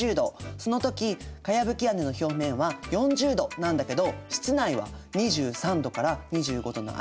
その時かやぶき屋根の表面は４０℃なんだけど室内は２３℃から２５℃の間を保っているんです。